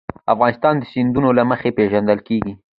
افغانستان د سیندونه له مخې پېژندل کېږي.